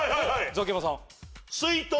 ザキヤマさん。